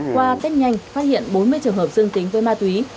qua test nhanh phát hiện bốn mươi trường hợp dương tính với ma túy